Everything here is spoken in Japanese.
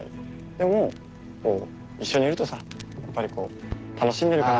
でもこう一緒にいるとさやっぱりこう「楽しんでるかな？